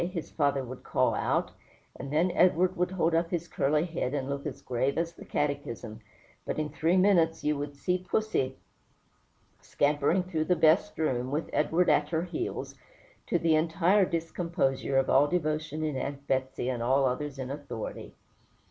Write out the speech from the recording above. his father would call out; and then Edward would hold up his curly head, and look as grave as the Catechism; but in three minutes you would see "pussy" scampering through the "best room," with Edward at her heels, to the entire discomposure of all devotion in Aunt Betsey and all others in authority.